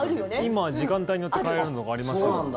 今、時間帯によって変えられるのがありますよ。